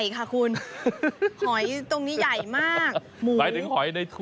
บ๊วยตรงนี้ใหญ่มาก